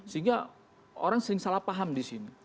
sehingga orang sering salah paham di sini